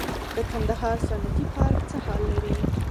د کندهار صنعتي پارک څه حال لري؟